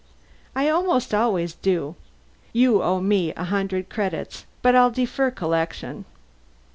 "I almost always do. You owe me a hundred credits but I'll defer collection."